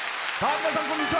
皆さん、こんにちは。